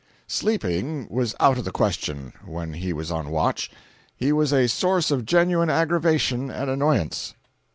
499.jpg (19K) Sleeping was out of the question when he was on watch. He was a source of genuine aggravation and annoyance.